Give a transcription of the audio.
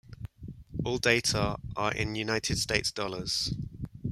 All data are in United States dollars.